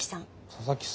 佐々木さん